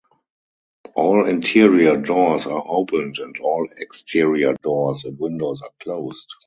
All interior doors are opened, and all exterior doors and windows are closed.